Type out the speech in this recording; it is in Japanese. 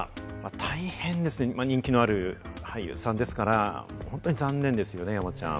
大変人気のある俳優さんですから、本当に残念ですよね、山ちゃん。